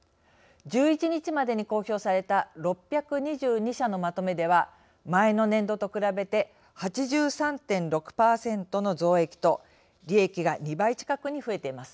１１日までに公表された６２２社のまとめでは前の年度と比べて８３．６％の増益と利益が２倍近くに増えています。